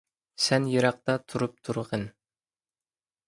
سەن يىراقتا تۇرۇپ تۇرغىن.